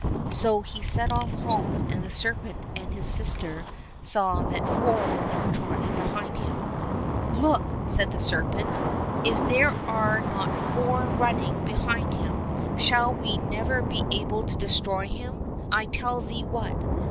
So he set off home, and the serpent and his sister saw that four were now trotting behind him. " Look !" said the serpent, " if there are not four running behind him ! Shall we never be able to destroy him ? I tell thee what.